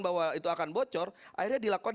bahwa itu akan bocor akhirnya dilakukan